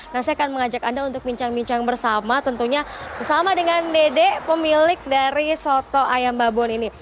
nah saya akan mengajak anda untuk bincang bincang bersama tentunya bersama dengan dede pemilik dari soto ayam babon ini